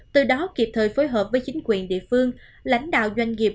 từ đó kịp thời phối hợp với chính quyền địa phương lãnh đạo doanh nghiệp